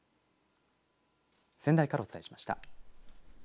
仙台からお伝えしました。